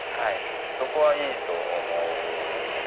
そこはいいと思うんです。